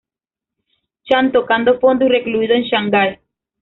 Chan tocado fondo y recluido en Shanghai.